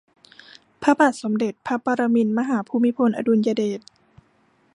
พระบาทสมเด็จพระปรมินทรมหาภูมิพลอดุลยเดช